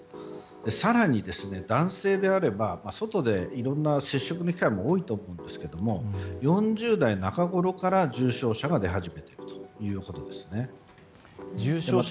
更に男性であれば外でいろいろな接触機会が多いと思うんですけれども４０代中ごろから重症者が出始めているということです。